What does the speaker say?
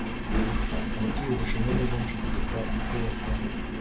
Abatuye Ubushinwa ni benshi kuruta ubwUbuyapani